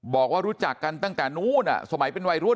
บอกว่ารู้จักกันตั้งแต่นู้นสมัยเป็นวัยรุ่น